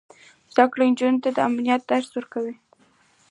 زده کړه نجونو ته د امید درس ورکوي.